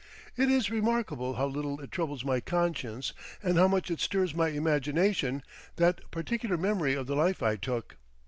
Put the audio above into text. It is remarkable how little it troubles my conscience and how much it stirs my imagination, that particular memory of the life I took.